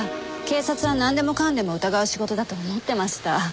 警察はなんでもかんでも疑う仕事だと思ってました。